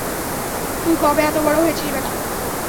তুই কবে এত বড় হয়েছিস বেটা?